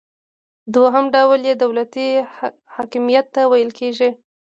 دوهم ډول یې دولتي حاکمیت ته ویل کیږي.